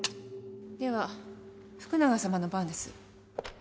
では福永さまの番です。